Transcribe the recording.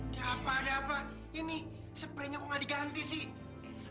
gak apa apa ini sepraynya kok nggak diganti sih